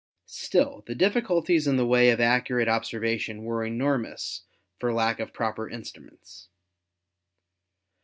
Still the difficulties in the way of accurate observation were enormous for lack of proper instruments.